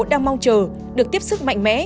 đang mong chờ được tiếp xúc mạnh mẽ